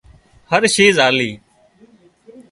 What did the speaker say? هر شيز آلي